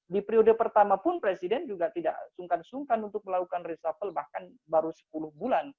di periode pertama pun presiden juga tidak sungkan sungkan untuk melakukan reshuffle bahkan baru sepuluh bulan